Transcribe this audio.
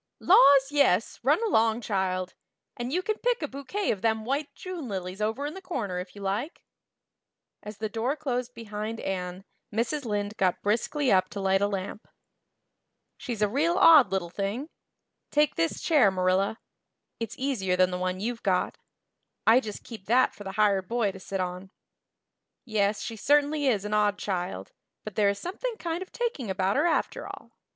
"Laws, yes, run along, child. And you can pick a bouquet of them white June lilies over in the corner if you like." As the door closed behind Anne Mrs. Lynde got briskly up to light a lamp. "She's a real odd little thing. Take this chair, Marilla; it's easier than the one you've got; I just keep that for the hired boy to sit on. Yes, she certainly is an odd child, but there is something kind of taking about her after all.